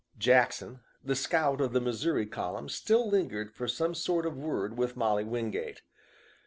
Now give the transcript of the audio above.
Jackson, the scout of the Missouri column, still lingered for some sort of word with Molly Wingate.